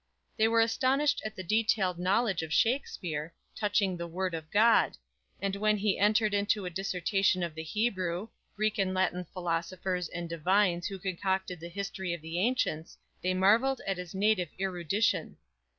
They were astonished at the detailed knowledge of Shakspere, touching the "Word of God;" and when he entered into a dissertation of the Hebrew, Greek and Latin philosophers and "divines" who concocted the history of the ancients, they marveled at his native erudition.